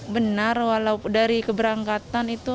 benar walau dari keberangkatan itu